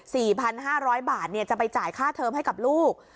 สี่พันห้าร้อยบาทเนี่ยจะไปจ่ายค่าเทอมให้กับลูก